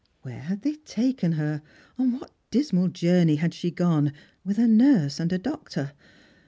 Where had they taken hoi — on what dismal journey had she gone — with a nurse and & doctor?